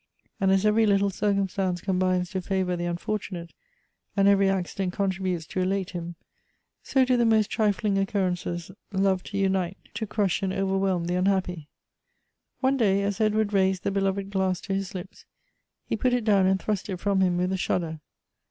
And as every little circumstance combines to favor the unfortunate, and every accident contributes to elate him ; so do the most trifling occurrences love to unite to crush and overwhelm the unhappy. One day as Edward raised the beloved glass to his lips, he put it down and thrust it from him with a shudder.